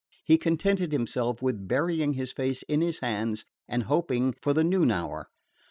He contented himself with burying his face in his hands and hoping for the noon hour.